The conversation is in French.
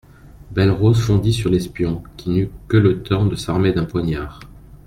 Belle-Rose fondit sur l'espion, qui n'eut que le temps de s'armer d'un poignard.